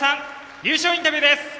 優勝インタビューです。